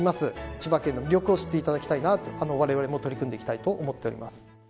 千葉県の魅力を知っていただきたいなと、われわれも取り組んでいきたいと思っております。